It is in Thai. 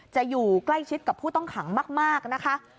จะอยู่ใกล้ชิดกับผู้ต้องขังมากนะคะ